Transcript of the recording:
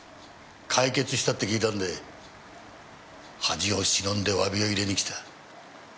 解決したって聞いたんで恥を忍んで詫びを入れに来た。